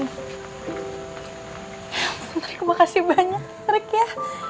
ya ampun terima kasih banyak rik ya